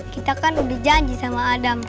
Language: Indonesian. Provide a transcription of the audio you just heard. kita kan udah janji sama adam